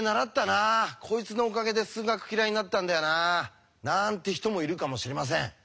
こいつのおかげで数学嫌いになったんだよな」なんて人もいるかもしれません。